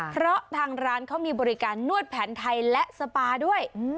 เพราะทางร้านเขามีบริการนวดแผนไทยและสปาด้วย